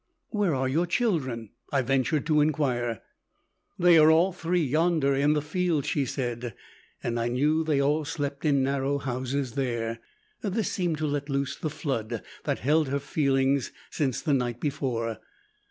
"Where are your children?" I ventured to inquire. "They are all three yonder in the field," she said, and I knew they all slept in narrow houses there. This seemed to let loose the flood that held her feelings since the night before.